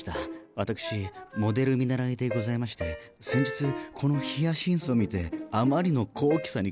私モデル見習いでございまして先日このヒアシンスを見てあまりの高貴さに感動したのです。